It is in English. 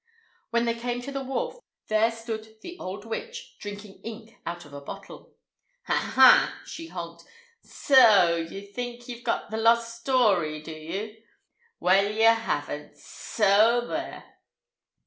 When they came to the wharf, there stood the old witch, drinking ink out of a bottle. "Ha, ha!" she honked. "S so ye think ye've got the lost st story, do ye? Well, ye haven't; s so there!"